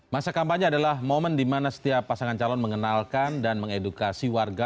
masa kampanye adalah momen di mana setiap pasangan calon mengenalkan dan mengedukasi warga